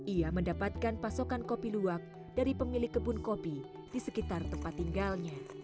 ia mendapatkan pasokan kopi luwak dari pemilik kebun kopi di sekitar tempat tinggalnya